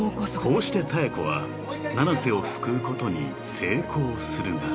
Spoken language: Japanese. ［こうして妙子は七瀬を救うことに成功するが］